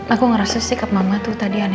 aku ngerasa sikap mama tuh tadi aneh banget